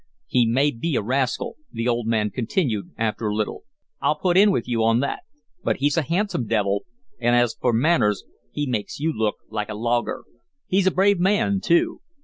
"He may be a rascal," the old man continued, after a little; "I'll put in with you on that; but he's a handsome devil, and, as for manners, he makes you look like a logger. He's a brave man, too.